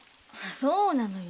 そうなのよ。